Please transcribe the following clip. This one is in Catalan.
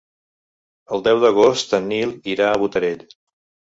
El deu d'agost en Nil irà a Botarell.